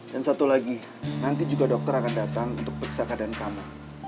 dan satu lagi nanti juga dokter akan datang untuk periksa keadaan kamu